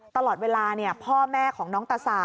ตลอดเวลาพ่อแม่ของน้องตาสา